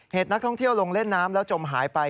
เหตุนักท่องเที่ยวลงเล่นน้ำแล้วจมหายไป